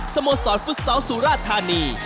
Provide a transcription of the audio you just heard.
สโมสรฟุตซอลสุราธานี